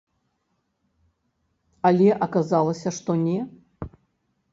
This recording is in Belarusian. Але аказалася, што не.